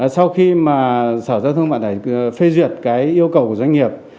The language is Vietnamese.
sau khi mà sở giao thông phần mềm phê duyệt cái yêu cầu của doanh nghiệp